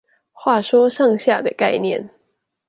話說上下的概念